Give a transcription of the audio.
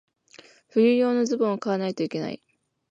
冬用のズボンを買わないといけない。